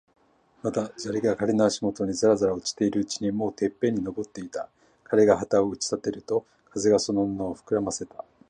まだ砂利が彼の足もとにざらざら落ちているうちに、もうてっぺんに登っていた。彼が旗を打ち立てると、風がその布をふくらませた。